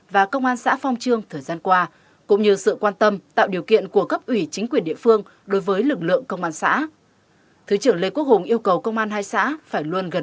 và công an xã phong trương thời gian qua cũng như sự quan tâm tạo điều kiện của cấp ủy chính quyền địa phương đối với lực lượng công an xã